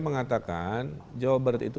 mengatakan jawa barat itu